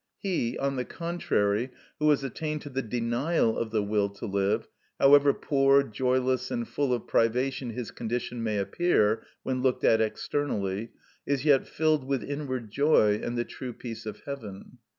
He, on the contrary, who has attained to the denial of the will to live, however poor, joyless, and full of privation his condition may appear when looked at externally, is yet filled with inward joy and the true peace of heaven.